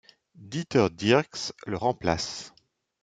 Dieter Dierks le remplace.